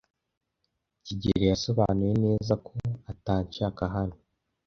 kigeli yasobanuye neza ko atanshaka hano.